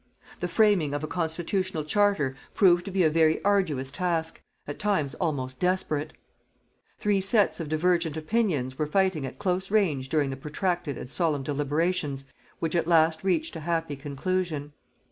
The framing of a constitutional charter proved to be a very arduous task, at times almost desperate. Three sets of divergent opinions were fighting at close range during the protracted and solemn deliberations which at last reached a happy conclusion.